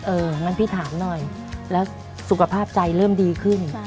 งั้นพี่ถามหน่อยแล้วสุขภาพใจเริ่มดีขึ้น